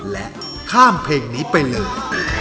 และข้ามเพลงนี้ไปเลย